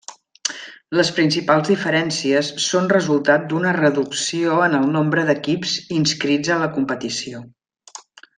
Les principals diferències són resultat d'una reducció en el nombre d'equips inscrits en la competició.